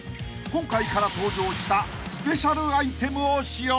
今回から登場したスペシャルアイテムを使用！］